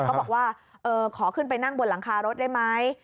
ก็บอกว่าขอขึ้นไปนั่งบนหลังคารถได้ไหม